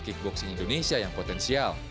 kx satu kickboxing indonesia yang potensial